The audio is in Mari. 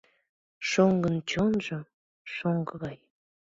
— Шоҥгын чонжо — шоҥшо гай...